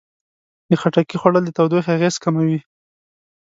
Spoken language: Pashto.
د خټکي خوړل د تودوخې اغېزې کموي.